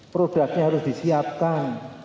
produknya harus disiapkan